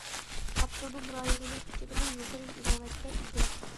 ئاپتونوم رايونىمىز ئىچىدىمۇ يۇقىرى ئىناۋەتكە ئىگە.